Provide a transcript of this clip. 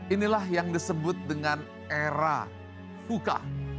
inilah yang disebut dengan era fuka